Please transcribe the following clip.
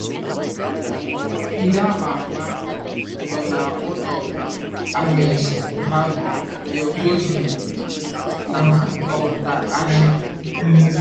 Celebrities with homes here have included Alex Haley, Bill Cosby, and Arthur Ashe.